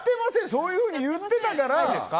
そういうふうに言ってたから。